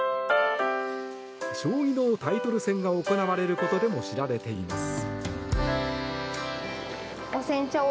将棋のタイトル戦が行われることでも知られています。